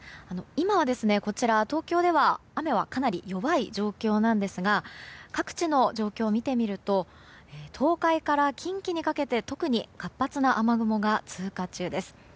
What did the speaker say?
今はこちら、東京では雨はかなり弱い状況なんですが各地の状況を見てみると東海から近畿にかけて特に活発な雨雲が通過中です。